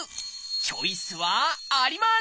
チョイスはあります！